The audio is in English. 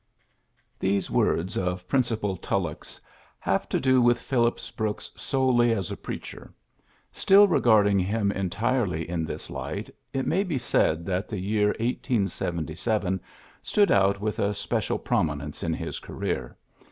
V. These words of Principal Tullocli's have to do with Phillips Brooks solely as a preacher. Still regarding him en tirely in this light, it may be said that the year 1877 stood out with a special prominence in his career.